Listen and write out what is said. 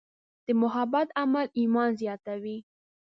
د محبت عمل ایمان زیاتوي.